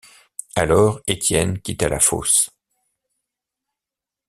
Alors, Étienne quitta la fosse.